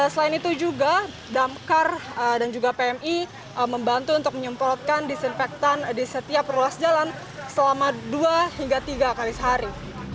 selain itu juga damkar dan juga pmi membantu untuk menyemprotkan disinfektan di setiap ruas jalan selama dua hingga tiga kali sehari